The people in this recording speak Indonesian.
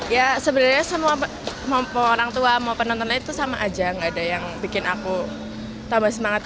ya sebenarnya semua orang tua mau penonton lain itu sama aja gak ada yang bikin aku tambah semangat